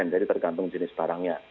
jadi tergantung jenis barangnya